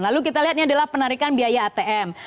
lalu kita lihat ini adalah penarikan biaya atm